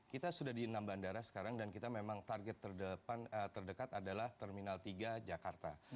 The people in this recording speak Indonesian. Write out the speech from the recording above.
kita sudah di enam bandara sekarang dan kita memang target terdekat adalah terminal tiga jakarta